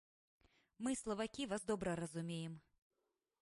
Мы, славакі, вас добра разумеем.